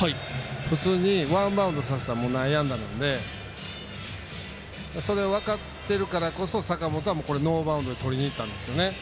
普通にワンバウンドさせたら内野安打なんでそれを分かってるからこそ坂本はノーバウンドでとりにいったんですよね。